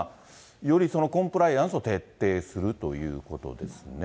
よりコンプライアンスを徹底するということですね。